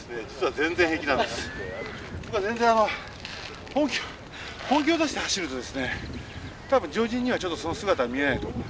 全然あの本気本気を出して走るとですね多分常人にはちょっとその姿は見えないと思う。